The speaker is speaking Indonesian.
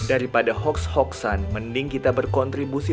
daripada hoax hoaxan mending kita berkontribusi